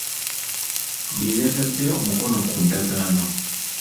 Ye yatade omukono ku ndagaano